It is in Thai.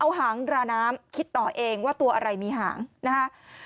เอาหางราน้ำคิดต่อเองว่าตัวอะไรมีหางนะฮะ